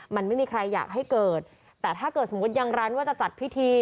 มันไม่มีใครอยากให้เกิดแต่ถ้าเกิดสมมุติยังร้านว่าจะจัดพิธี